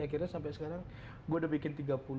akhirnya sampai sekarang gue udah bikin tiga puluh